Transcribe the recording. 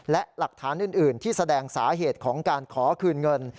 และหลักฐานอื่นที่แสดงสาเหตุของการขอคืนเงิน